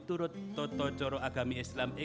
dan anak anak agama islam